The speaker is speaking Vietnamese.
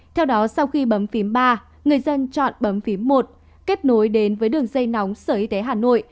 theo đó sau khi bấm phím ba người dân chọn bấm phím một kết nối đến với đường dây nóng sở y tế hà nội